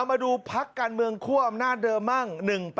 เอามาดูพรรคการเมืองคั่วอำนาจเดิมมั่ง๑๘๘